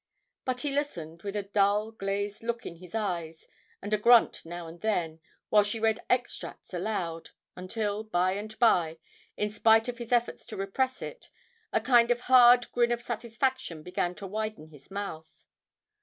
But he listened with a dull, glazed look in his eyes, and a grunt now and then, while she read extracts aloud, until by and by, in spite of his efforts to repress it, a kind of hard grin of satisfaction began to widen his mouth.